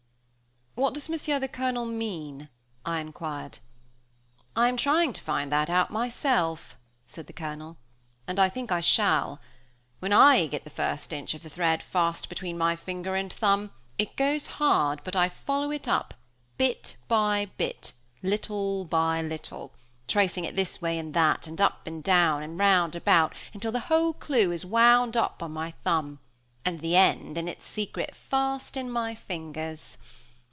"What does Monsieur the Colonel mean?" I inquired. "I am trying to find that out myself," said the Colonel; "and I think I shall. When I get the first inch of the thread fast between my finger and thumb, it goes hard but I follow it up, bit by bit, little by little, tracing it this way and that, and up and down, and round about, until the whole clue is wound up on my thumb, and the end, and its secret, fast in my fingers.